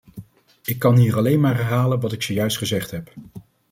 Ik kan hier alleen maar herhalen wat ik zojuist gezegd heb.